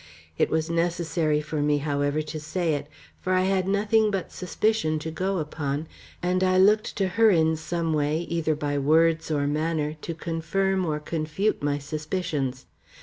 It was necessary for me, however, to say it, for I had nothing but suspicion to go upon, and I looked to her in some way, either by words or manner, to confirm or confute my suspicions.